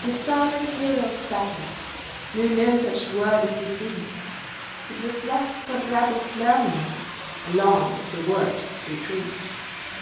This silent hero of battles Knew no such word as defeat. It was left for the rebels' learning, Along with the word—retreat.